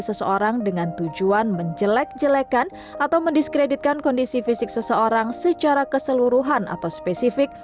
seseorang dengan tujuan menjelek jelekkan atau mendiskreditkan kondisi fisik seseorang secara keseluruhan atau spesifik